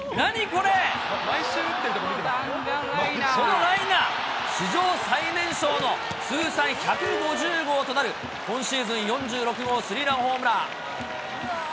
このライナー、史上最年少の通算１５０号となる、今シーズン４６号スリーランホームラン。